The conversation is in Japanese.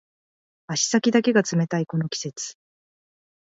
足先だけが冷たいこの季節